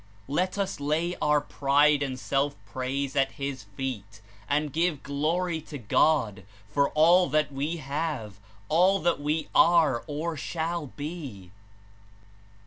'^ Let us lay our pride and self praise at his feet and give glory to God for all that we have, all that we are or shall be.